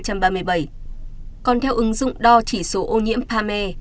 còn theo ứng dụng đo chỉ số ô nhiễm palme